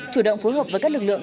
chủ động phối hợp với các lực lượng